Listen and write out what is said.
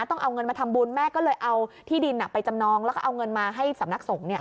ต้องเอาเงินมาทำบุญแม่ก็เลยเอาที่ดินไปจำนองแล้วก็เอาเงินมาให้สำนักสงฆ์